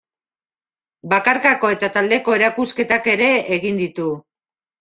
Bakarkako eta taldeko erakusketak ere egin ditu.